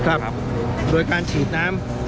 ครับโดยการฉีดน้ำ